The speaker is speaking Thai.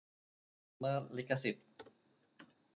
อ้างละเมิดลิขสิทธิ์